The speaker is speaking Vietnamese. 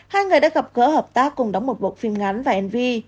hai người đã gặp gỡ hợp tác cùng đóng một bộ phim ngắn và mv